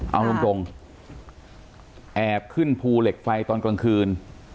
เอาตรงแอบขึ้นภูเหล็กไฟตอนกลางคืน